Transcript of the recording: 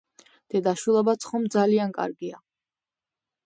დედაშვილობაც ხომ ძალიან კარგია.